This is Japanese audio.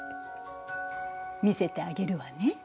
見せてあげるわね。